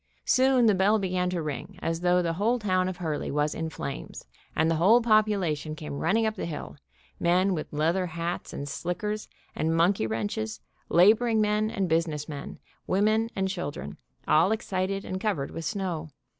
Soon the bell began to ring as though the whole town of Hurley was in flames, and the whole popula tion came running up the hill, men with leather hats and slickers, and monkey wrenches, laboring men and business men, women and children, all excited and covered with snow.